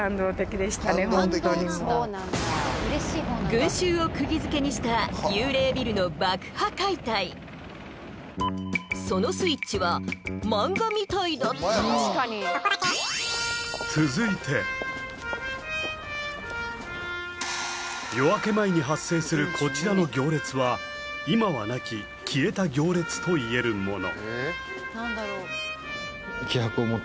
群衆を釘付けにしたそのスイッチはマンガみたいだった続いて夜明け前に発生するこちらの行列は今はなきといえるもの